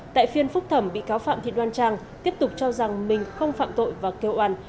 tại phiên phúc thẩm bị cáo phạm thị đoan trang tiếp tục cho rằng mình không phạm tội và kêu an